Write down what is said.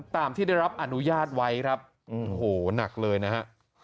ตามที่ได้รับอนุญาตไว้ครับโอ้โหหนักเลยนะฮะ